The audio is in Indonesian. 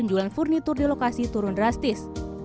penjualan furnitur di lokasi turun drastis